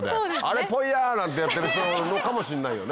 あれポイや！なんてやってる人のかもしんないよね。